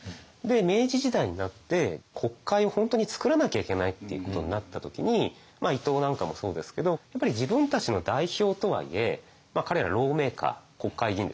明治時代になって国会を本当につくらなきゃいけないっていうことになった時に伊藤なんかもそうですけどやっぱり自分たちの代表とはいえ彼らローメーカー国会議員ですよね。